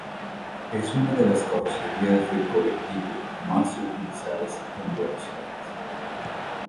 Es una de las carrocerías de Colectivo más utilizadas en Buenos Aires.